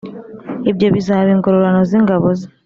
ibyo bizaba ingororano z ingabo ze